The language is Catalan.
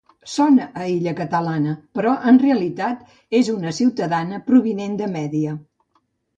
Sona a illa catalana, però en realitat és una ciutadana provinent de Mèdia.